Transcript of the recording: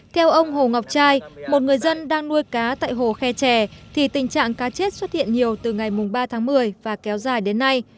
theo ông hồ ngọc trai một người dân đang nuôi cá tại hồ khe trè thì tình trạng cá chết xuất hiện nhiều từ ngày ba tháng một mươi và kéo dài đến nay